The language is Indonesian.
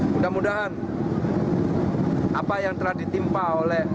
mudah mudahan apa yang telah ditimpa oleh